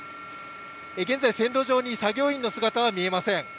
現在、線路上に作業員の姿は見えません。